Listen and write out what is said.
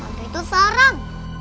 hantu itu serem